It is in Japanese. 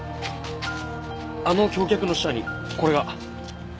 あの橋脚の下にこれが。